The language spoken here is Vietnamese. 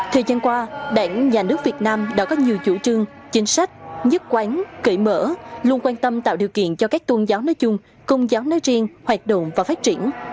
thời gian qua đảng nhà nước việt nam đã có nhiều chủ trương chính sách nhất quán cởi mở luôn quan tâm tạo điều kiện cho các tôn giáo nói chung công giáo nói riêng hoạt động và phát triển